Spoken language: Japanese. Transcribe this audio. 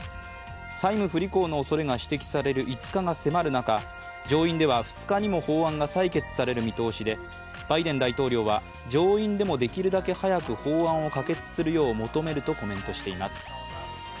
債務不履行のおそれが指摘される５日が迫る中上院では２日にも法案が採決される見通しでバイデン大統領は、上院でもできるだけ早く法案を可決するよう求めるとコメントしています。